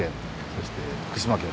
そして徳島県